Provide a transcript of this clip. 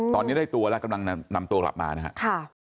ตอนนี้ได้ตัวแล้วกำลังนำตัวกลับมานะครับ